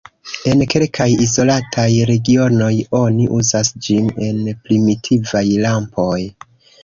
En kelkaj izolataj regionoj, oni uzas ĝin en primitivaj lampoj.